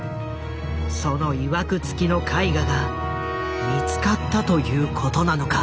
そのいわくつきの絵画が見つかったということなのか？